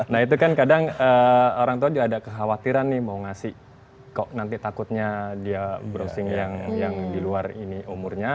nah itu kan kadang orang tua ada kekhawatiran nih mau ngasih kok nanti takutnya dia browsing yang di luar ini umurnya